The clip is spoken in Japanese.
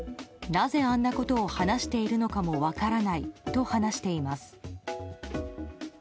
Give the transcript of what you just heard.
なぜあんなことを話しているのかも分からないと話しています。